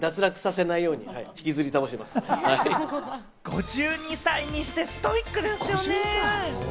５２歳にしてストイックですよね。